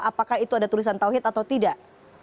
apakah itu ada tulisan tauhid atau tidak